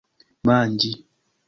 manĝi